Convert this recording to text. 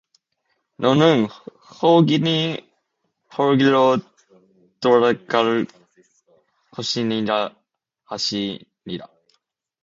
너는 흙이니 흙으로 돌아갈 것이니라 하시니라